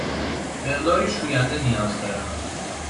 مقداری شوینده نیاز دارم.